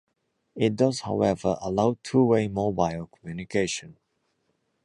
It does, however, allow two-way mobile communication.